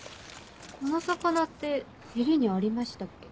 この魚って競りにありましたっけ？